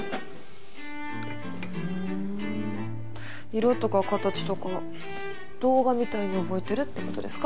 色とか形とか動画みたいに覚えてるって事ですか？